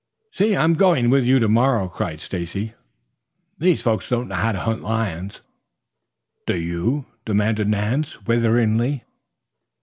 "Say, I'm going with you to morrow," cried Stacy. "These folks don't know how to hunt lions." "Do you?" demanded Nance witheringly.